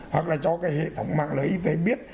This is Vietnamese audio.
hoặc là cho cái hệ thống mạng lưới y tế biết